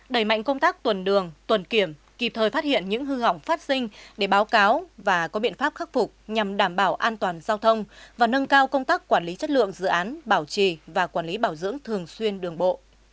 đẩy mạnh công tác tuần đường tuần kiểm những hư hỏng phát sinh để báo cáo và có biện pháp khắc phục nhằm đảm bảo an toàn giao thông và nâng cao công tác quản lý chất lượng dự án bảo trì và quản lý bảo dưỡng thường xuyên đường bộ